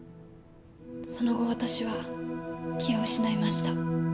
その後私は気を失いました。